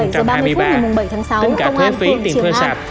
tính cả thuế phí tiền thuê sạp